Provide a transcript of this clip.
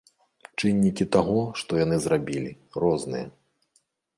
Чыннікі таго, што яны зрабілі, розныя.